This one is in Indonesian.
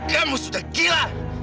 kamu sudah gila